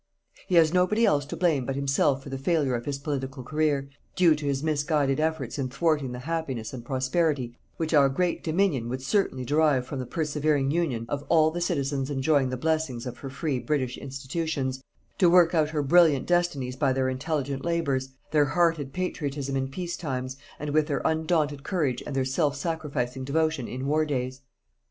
He has nobody else to blame but himself for the failure of his political career, due to his misguided efforts in thwarting the happiness and prosperity which our great Dominion would certainly derive from the persevering union of all the citizens enjoying the blessings of her free British institutions, to work out her brilliant destinies by their intelligent labours, their hearted patriotism in peace times, and with their undaunted courage and their self sacrificing devotion in war days.